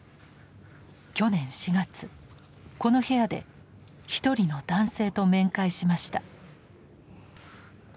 去年４月この部屋で一人の男性と面会しました。